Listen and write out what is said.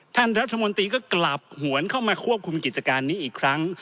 ท่านรัฐมนตรีก็กลับหวนเข้ามาควบคุมกิจการนี้อีกครั้ง